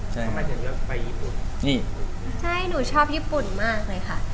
ใช่ของฉันชอบญี่ปุ่นมากเลยค่ะ